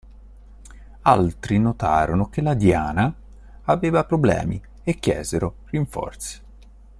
Altri notarono che la "Diana" aveva problemi e chiesero rinforzi.